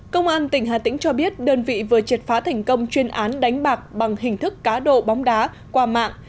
công an tỉnh hà tĩnh cho biết đơn vị vừa triệt phá thành công chuyên án đánh bạc bằng hình thức cá độ bóng đá qua mạng